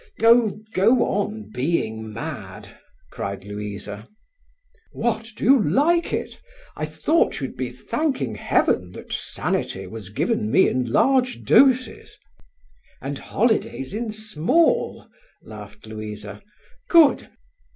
"Oh, go on being mad," cried Louisa. "What, do you like it? I thought you'd be thanking Heaven that sanity was given me in large doses." "And holidays in small," laughed Louisa. "Good!